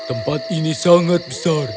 tempat ini sangat besar